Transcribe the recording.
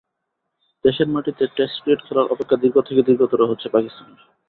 দেশের মাটিতে test cricket খেলার অপেক্ষা দীর্ঘ থেকে দীর্ঘতর হচ্ছে পাকিস্তানের।